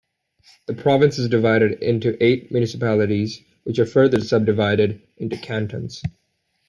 The province is divided into eight municipalities which are further subdivided into cantons.